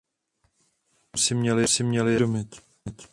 To bychom si měli jasně uvědomit.